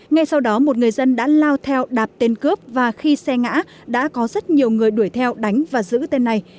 ngay sau đó một người dân đã lao theo đạp tên cướp và khi xe ngã đã có rất nhiều người đuổi theo đánh và giữ tên này